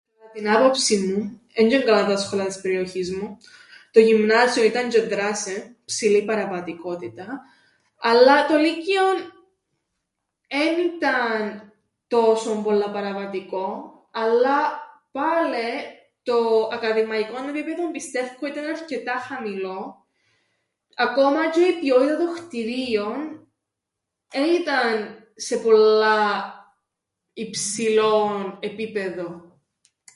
Κατά την άποψην μου, έντž' εν' καλά τα σχολεία της περιοχής μου, το γυμνάσιον ήταν τžαι ΔΡΑΣΕ, ψηλή παραβατικότητα, αλλά το λύκειον εν ήταν τόσον πολλά παραβατικόν, αλλά πάλε το ακαδημαϊκόν επίπεδον πιστεύκω ήταν αρκετά χαμηλόν, ακόμα τžαι η ποιότητα των κτηρίων εν ήταν σε πολλά υψηλόν επίπεδον.